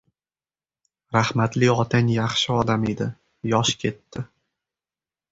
Rahmatli otang yaxshi odam edi, yosh ketdi.